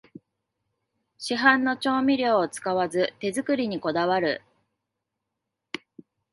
市販の調味料を使わず手作りにこだわる